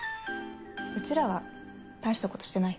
うちらは大したことしてないよ。